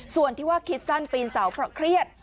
ส่วนที่ว่าคิดสั้นปีนเสาเพราะเครียด